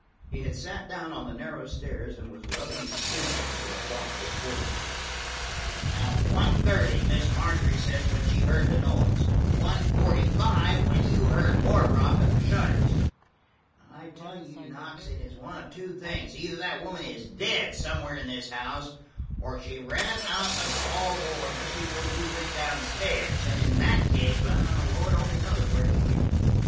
He had sat down on the narrow stairs, and was rubbing his chin with a thoughtful forefinger. "One thirty, Miss Margery says, when she heard the noise. One forty five when you heard Wardrop at the shutters. I tell you, Knox, it is one of two things: either that woman is dead somewhere in this house, or she ran out of the hall door just before you went down stairs, and in that case the Lord only knows where she is.